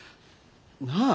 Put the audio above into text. なあ。